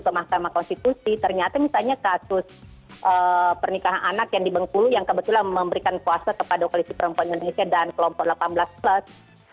ke mahkamah konstitusi ternyata misalnya kasus pernikahan anak yang di bengkulu yang kebetulan memberikan kuasa kepada koalisi perempuan indonesia dan kelompok delapan belas plus